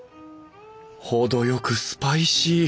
程よくスパイシー。